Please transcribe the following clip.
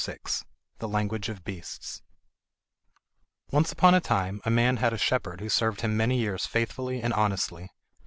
] The Language of Beasts Once upon a time a man had a shepherd who served him many years faithfully and honestly.